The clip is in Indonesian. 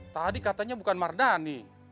tadi katanya bukan mardhani